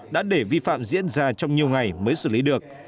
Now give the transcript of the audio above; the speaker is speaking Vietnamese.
đã để vi phạm diễn ra trong nhiều ngày mới xử lý được